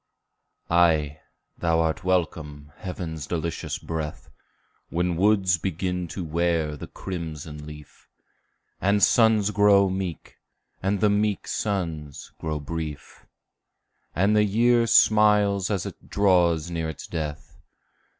Ay, thou art welcome, heaven's delicious breath, When woods begin to wear the crimson leaf, And suns grow meek, and the meek suns grow brief, And the year smiles as it draws near its death.